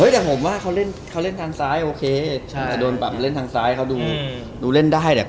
แต่ผมว่าเค้าเล่นทางซ้ายโอเคจะโดนเล่นทางซ้ายเค้าดูเล่นได้